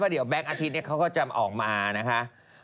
แรกอาทิตย์เขาก็จะออกมานะคะ